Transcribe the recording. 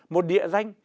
một địa danh